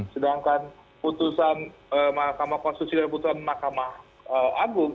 sedangkan putusan makam konstitusi dan putusan makam agung